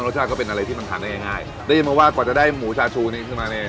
ก็เป็นอะไรที่มันทานได้ง่ายง่ายได้ยินมาว่ากว่าจะได้หมูชาชูนี้ขึ้นมาเนี่ย